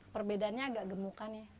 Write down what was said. perbedaannya agak gemukan ya